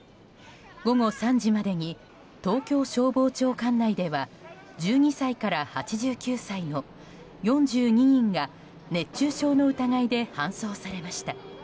午後３時までに東京消防庁管内では１２歳から８９歳の４２人が熱中症の疑いで搬送されました。